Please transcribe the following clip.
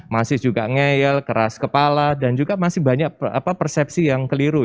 masih juga ngeyel keras kepala dan juga masih banyak persepsi yang keliru